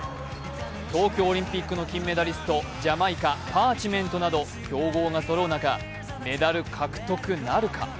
東京オリンピックの金メダリストジャマイカ・パーチメントなど強豪がそろう中、メダル獲得なるか。